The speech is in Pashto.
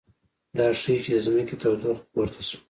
دا ښيي چې د ځمکې تودوخه پورته شوه